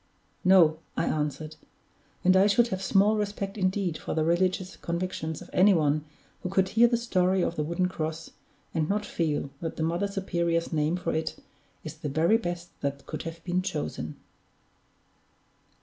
"No," I answered. "And I should have small respect indeed for the religious convictions of any one who could hear the story of that wooden cross, and not feel that the Mother Superior's name for it is the very best that could have been chosen."